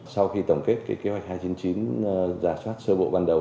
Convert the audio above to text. sau khi tổng kết kế hoạch hai trăm chín mươi chín giả soát sơ bộ ban đầu